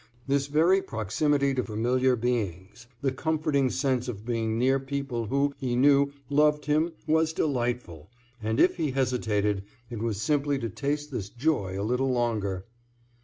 This very proximity to familiar beings, the comforting sense of being near people who, he knew, loved him was delightful, and if he hesitated it was simply to taste this joy a little longer.